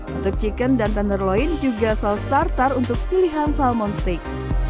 untuk chicken dan tenderloin juga saus startar untuk pilihan salmon steak